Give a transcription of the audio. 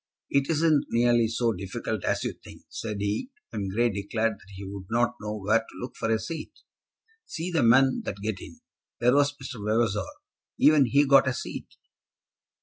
"It isn't nearly so difficult as you think," said he, when Grey declared that he would not know where to look for a seat. "See the men that get in. There was Mr. Vavasor. Even he got a seat."